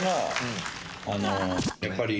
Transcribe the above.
やっぱり。